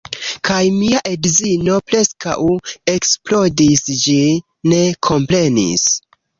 Kaj mia edzino preskaŭ eksplodis, ĝi ne komprenis.